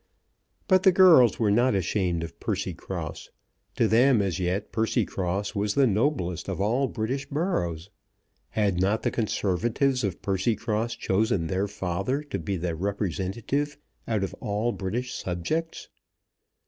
But the girls were not ashamed of Percycross. To them as yet Percycross was the noblest of all British boroughs. Had not the Conservatives of Percycross chosen their father to be their representative out of all British subjects?